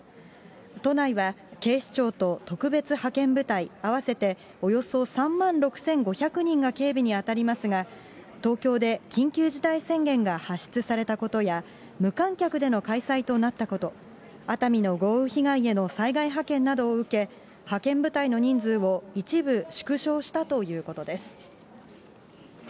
都内は警視庁と特別派遣部隊、合わせておよそ３万６５００人が警備に当たりますが、東京で緊急事態宣言が発出されたことや、無観客での開催となったこと、熱海の豪雨被害への災害派遣などを受け、派遣部隊の人数を一部縮小したということです。